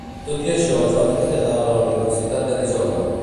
Tot i això, es va traslladar a la Universitat d'Arizona.